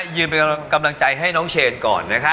ยืนไปกำลังใจให้น้องเชนก่อน